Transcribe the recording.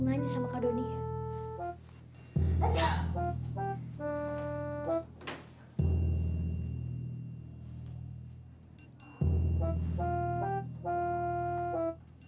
sedangkan kak doni kenapa ada di sini